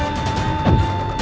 aku akan menang